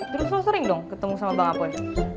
terus lo sering dong ketemu sama bang apoy